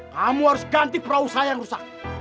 kamu harus ganti perahu saya yang rusak